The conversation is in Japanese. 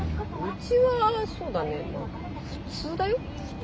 うちはそうだね普通だよ？